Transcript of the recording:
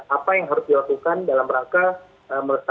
apa yang harus dilakukan dalam rangka melestarikan kebaya ini agar sustain